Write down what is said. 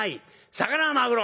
魚はマグロ！